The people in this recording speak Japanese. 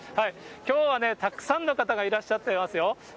きょうはね、たくさんの方がいらっしゃってますよ。